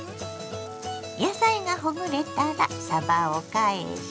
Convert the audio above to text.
野菜がほぐれたらさばを返し